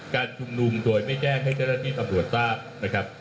การชุมนุมโดยไม่แจ้งให้เจ้าหน้าที่ตำรวจทราบนะครับ